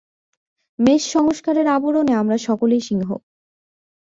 মেষ-সংস্কারের আবরণে আমরা সকলেই সিংহ।